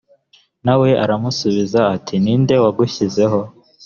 nawe aramusubiza ati” ni nde wagushyizeho?